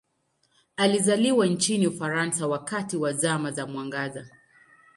Alizaliwa nchini Ufaransa wakati wa Zama za Mwangaza.